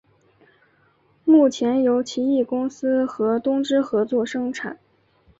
目前由奇异公司和东芝合作生产。